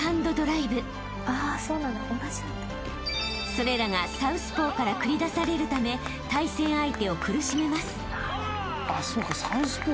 ［それらがサウスポーから繰り出されるため対戦相手を苦しめます］